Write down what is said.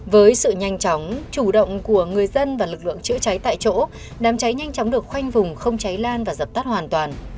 với sự nhanh chóng chủ động của người dân và lực lượng chữa cháy tại chỗ đám cháy nhanh chóng được khoanh vùng không cháy lan và dập tắt hoàn toàn